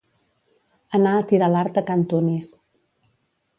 Anar a tirar l'art a can Tunis.